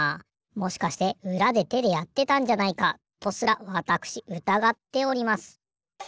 もしかしてうらでてでやってたんじゃないかとすらわたくしうたがっております。